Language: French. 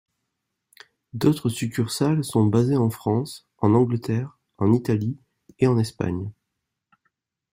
D’autres succursales sont basées en France, en Angleterre, en Italie et en Espagne.